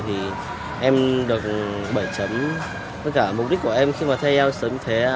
thì em được bảy với cả mục đích của em khi mà thi ielts sớm thế